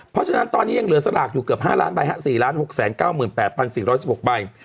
เพราะฉะนั้นตอนนี้ยังเหลือสลากอยู่เกือบ๕ล้านใบ๔๖๙๘๔๑๖ใบ